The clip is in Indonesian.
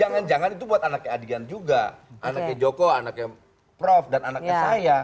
jangan jangan itu buat anaknya adian juga anaknya joko anaknya prof dan anaknya saya